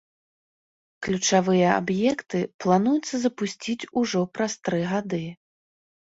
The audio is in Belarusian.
Ключавыя аб'екты плануецца запусціць ужо праз тры гады.